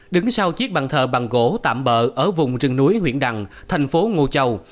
đứng sau chiếc bàn thờ bằng gỗ tạm bỡ ở vùng rừng núi huyện đằng thành phố ngô châu